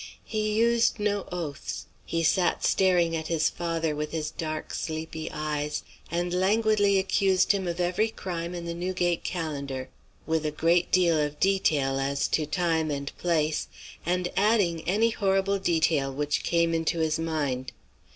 He used no oaths; he sat staring at his father with his dark sleepy eyes, and languidly accused him of every crime in the Newgate Calendar, with a great deal of detail as to time and place, and adding any horrible detail which came into his mind.